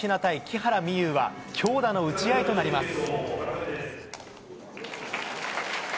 木原美悠は強打の打ち合いとなります。